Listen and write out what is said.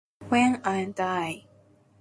when I die